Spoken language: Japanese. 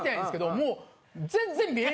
もう。